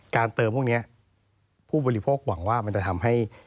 เติมพวกนี้ผู้บริโภคหวังว่ามันจะทำให้